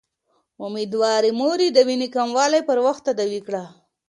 اميدوارې مورې، د وينې کموالی پر وخت تداوي کړه